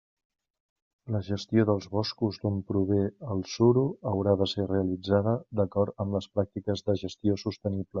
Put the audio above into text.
La gestió dels boscos d'on prové el suro haurà de ser realitzada d'acord amb les pràctiques de gestió sostenible.